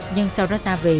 nhưng sau đó ra về